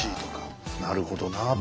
なるほどなあと。